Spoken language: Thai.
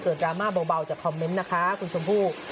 ดราม่าเบาจากคอมเมนต์นะคะคุณชมพู่